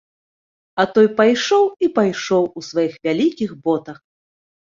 А той пайшоў і пайшоў у сваіх вялікіх ботах.